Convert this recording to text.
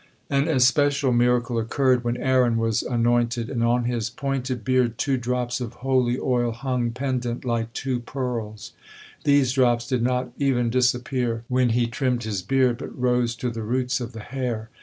An especial miracle occurred when Aaron was anointed and on his pointed beard two drops of holy oil hung pendant like two pearls. These drops did not even disappear when he trimmed his beard, but rose to the roots of the hair.